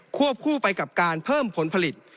วบคู่ไปกับการเพิ่มผลผลิต